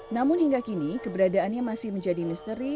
namun hingga kini keberadaannya masih menjadi misteri